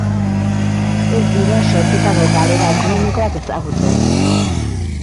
Ez dira sortutako galera ekonomikoak ezagutzen.